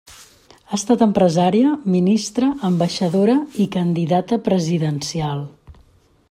Ha estat empresària, ministra, ambaixadora i candidata presidencial.